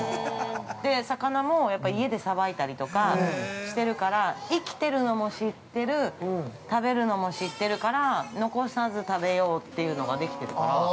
魚も、やっぱ家でさばいたりとかしてるから生きてるのも知ってる食べるのも知ってるから残さず食べようっていうのができてるから。